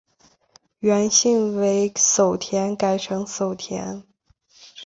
原姓为薮田改成薮田。